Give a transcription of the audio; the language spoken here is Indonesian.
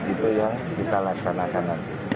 itu yang kita laksanakan